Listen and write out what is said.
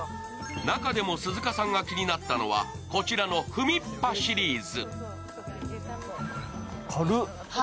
中でも鈴鹿さんが気になったのはこちらのふみっぱシリーズ。